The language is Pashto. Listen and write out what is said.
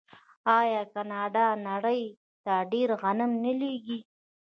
آیا کاناډا نړۍ ته ډیر غنم نه لیږي؟